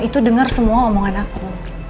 itu dengar semua happen naku